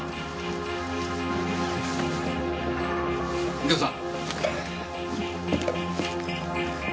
右京さん。